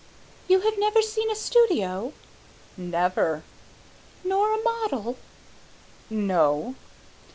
"You have never seen a studio?" "Never." "Nor a model?" "No."